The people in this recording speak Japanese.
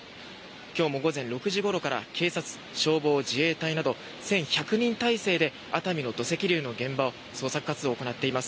今日も午前６時ごろから警察、消防、自衛隊など１１００人態勢で熱海の土石流現場の捜索活動を行っています。